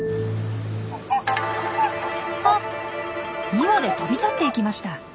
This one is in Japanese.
２羽で飛び立って行きました。